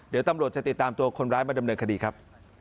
เดี๋ยวตำรวจจะติดตามตัวคนร้ายมาดำเนินคดีครับ